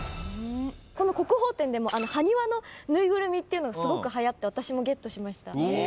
この国宝展でも埴輪の縫いぐるみっていうのがすごくはやって私もゲットしました。